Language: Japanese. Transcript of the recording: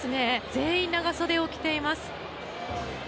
全員、長袖を着ています。